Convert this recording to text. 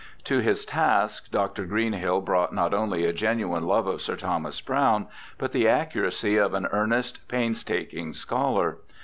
To his task Dr. Greenhill brought not only a genuine love of Sir Thomas Browne, but the accuracy of an earnest, painstaking scholar.